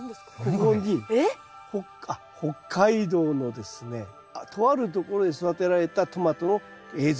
ここに北海道のですねとあるところで育てられたトマトの映像があります。